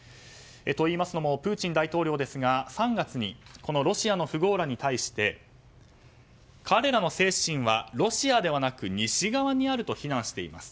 といいますのもプーチン大統領ですが３月にロシアの富豪らに対して彼らの精神はロシアではなく西側にあると非難しています。